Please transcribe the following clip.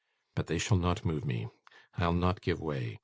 But they shall not move me. I'll not give way.